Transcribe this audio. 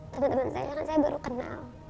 teman teman saya kan saya baru kenal